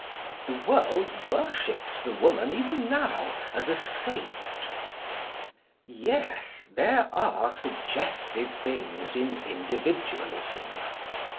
The world worships the woman, even now, as a saint. Yes; there are suggestive things in Individualism.